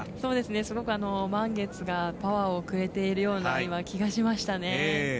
すごく満月がパワーをくれてるような今、気がしましたね。